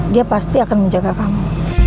dia pasti akan menjaga kamu